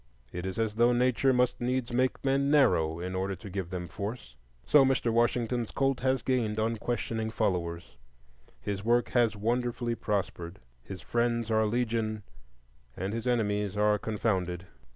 It is as though Nature must needs make men narrow in order to give them force. So Mr. Washington's cult has gained unquestioning followers, his work has wonderfully prospered, his friends are legion, and his enemies are confounded.